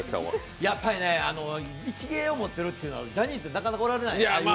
やっぱり一芸を持ってるっていうのはジャニーズ、なかなかおられない。